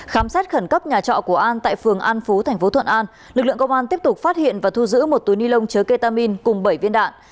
khám xét khẩn cấp nhà trọ của an tại phường an phú thành phố thuận an lực lượng công an tiếp tục phát hiện và thu giữ một túi ni lông chứa ketamin cùng bảy viên đạn